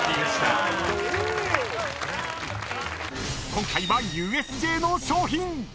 ［今回はＵＳＪの賞品！］